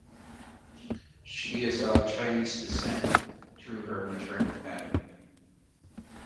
She is of Chinese descent through her maternal family.